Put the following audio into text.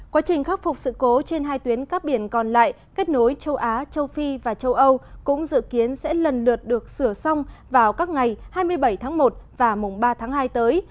quá trình khắc phục sự cố trên hai tuyến cắp biển còn lại kết nối châu á châu phi và châu âu cũng dự kiến sẽ lần lượt được sửa xong vào các ngày hai mươi bảy tháng một và mùng ba tháng hai tới